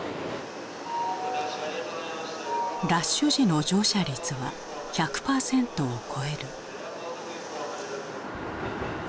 ラッシュ時の乗車率は１００％を超える。